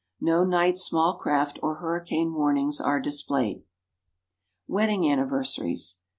No night small craft or hurricane warnings are displayed. =Wedding Anniversaries.